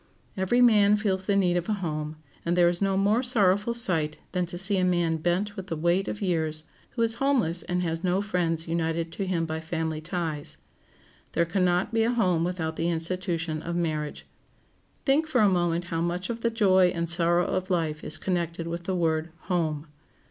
Every man feels the need of a home, and there is no more sorrowful sight than to see a man bent with the weight of years, who is homeless and has no friends united to him by family ties. There can not be a home without the institution of marriage. Think for a moment how much of the joy and sorrow of life is connected with the word home.